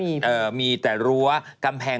พระพุทธรูปสูงเก้าชั้นหมายความว่าสูงเก้าชั้น